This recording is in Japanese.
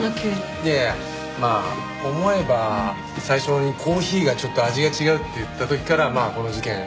いやいやまあ思えば最初にコーヒーがちょっと味が違うって言った時からまあこの事件